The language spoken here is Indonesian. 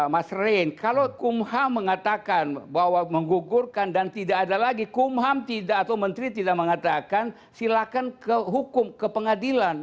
mas rein kalau kumham mengatakan bahwa menggugurkan dan tidak ada lagi kumham tidak atau menteri tidak mengatakan silakan ke hukum ke pengadilan